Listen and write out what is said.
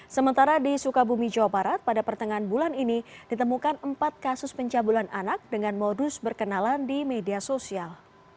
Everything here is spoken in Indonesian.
sementara di sukabumi jawa barat pada pertengahan bulan ini ditemukan empat kasus pencabulan anak dengan modus berkenalan di media sosial